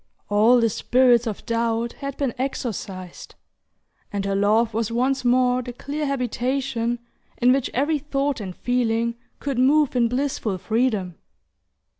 All the spirits of doubt had been exorcised, and her love was once more the clear habitation in which every thought and feeling could move in blissful freedom.